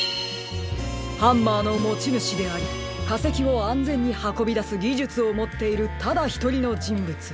ハンマーのもちぬしでありかせきをあんぜんにはこびだすぎじゅつをもっているただひとりのじんぶつ。